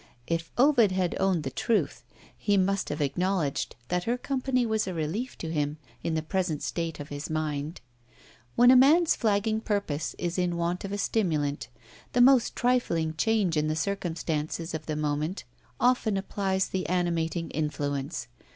If Ovid had owned the truth, he must have acknowledged that her company was a relief to him, in the present state of his mind. When a man's flagging purpose is in want of a stimulant, the most trifling change in the circumstances of the moment often applies the animating influence.